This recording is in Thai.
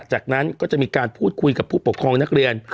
จากนั้นก็จะมีการพูดคุยกับผู้ปกครองนักเรียน